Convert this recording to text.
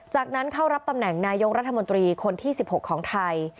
จากนั้นเข้ารับตำแหน่งนายกรัฐมนตรีคนที่๑๖ของไทย